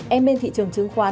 em bên thị trường chứng khoán